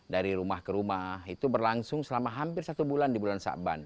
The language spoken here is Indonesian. dari rumah ke rumah itu berlangsung selama hampir satu bulan di bulan syakban